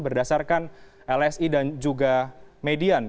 berdasarkan lsi dan juga median